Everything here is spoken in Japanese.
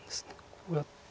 こうやって。